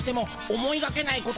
思いがけないこと？